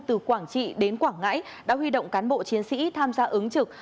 từ quảng trị đến quảng ngãi đã huy động cán bộ chiến sĩ tham gia ứng trực